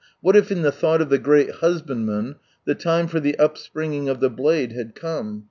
What if in the thought of the Great Husbandman the time for the upspringing of the blade had come?